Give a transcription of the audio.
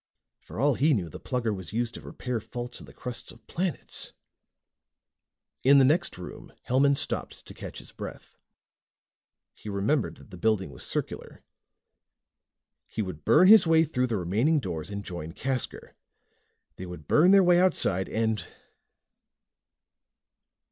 For all he knew, the Plugger was used to repair faults in the crusts of planets. In the next room, Hellman stopped to catch his breath. He remembered that the building was circular. He would burn his way through the remaining doors and join Casker. They would burn their way outside and....